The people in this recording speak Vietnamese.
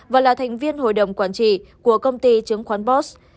và là thành viên hội đồng quản trị của công ty chứng khoán boss